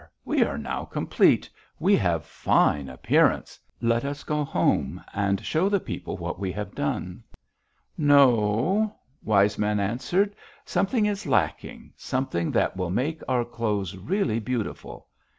We are now complete; we have fine appearance. Let us go home and show the people what we have done.' "'No,' Wise Man answered; 'something is lacking, something that will make our clothes really beautiful.